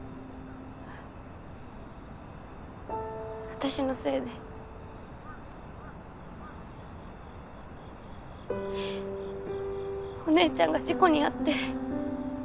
私のせいでお姉ちゃんが事故に遭って。